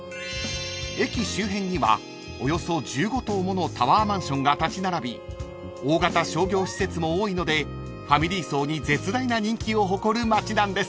［駅周辺にはおよそ１５棟ものタワーマンションが立ち並び大型商業施設も多いのでファミリー層に絶大な人気を誇る街なんです］